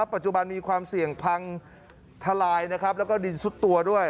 ปัจจุบันมีความเสี่ยงพังทลายนะครับแล้วก็ดินซุดตัวด้วย